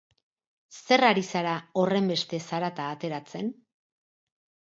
Zer ari zara, horrenbeste zarata ateratzen?